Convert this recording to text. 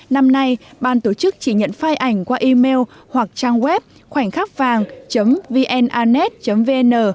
năm nay ban tổ chức chỉ nhận file ảnh qua email hoặc trang web khoảnhkhắcvàng vnarnet vn